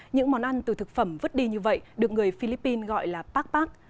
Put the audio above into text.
những món ăn từ thực phẩm vứt đi như vậy được người philippines gọi là pakpak